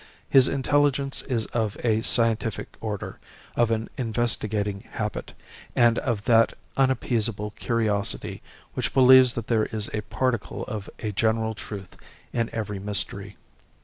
His intelligence is of a scientific order, of an investigating habit, and of that unappeasable curiosity which believes that there is a particle of a general truth in every mystery.